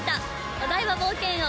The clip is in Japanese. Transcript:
お台場冒険王。